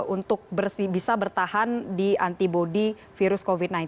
untuk bisa bertahan di antibody virus covid sembilan belas